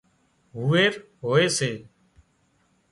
هوئرهوئي سي